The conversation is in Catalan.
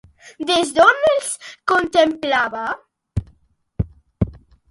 Des d'on els contemplava?